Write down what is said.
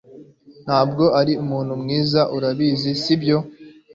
Ntabwo uri umuntu mwiza Urabizi sibyo